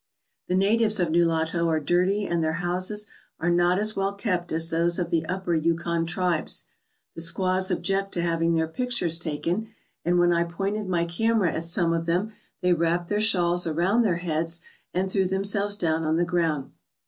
The natives of Nulato are dirty and their houses are not as well kept as those of the Upper Yukon tribes. The squaws object to having their pictures taken, and when I 179 ALASKA OUR NORTHERN WONDERLAND pointed my camera at some of them, they wrapped their shawls around their heads and threw themselves down on the ground.